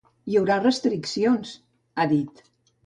Hi haurà restriccions, ha dit.